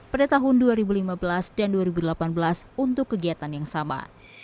pada tahun dua ribu lima belas dan dua ribu delapan belas untuk kegiatan yang sama